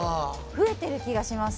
増えてる気がします。